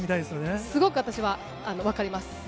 すごく私は分かります。